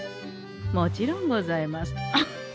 もちろんございます。